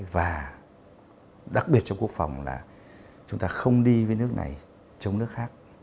và đặc biệt trong quốc phòng là chúng ta không đi với nước này chống nước khác